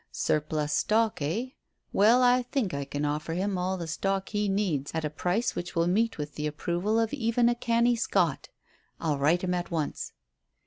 "Surplus stock, eh? Well, I think I can offer him all the stock he needs at a price which will meet with the approval of even a canny Scot. I'll write him at once."